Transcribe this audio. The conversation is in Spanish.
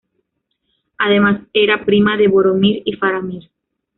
Además era prima de Boromir y Faramir.